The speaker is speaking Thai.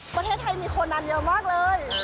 ประเทศไทยมีคนนานเยอะมากเลย